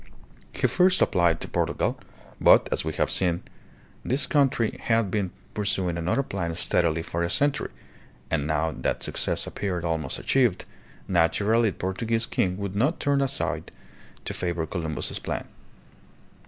He first applied to Portugal; but, as we have seen, this country had been pursuing another plan steadily for a century, and, now that success appeared almost achieved, naturally the Portuguese king would not turn aside to favor Columbus's plan.